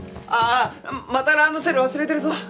ああまたランドセル忘れてるぞ。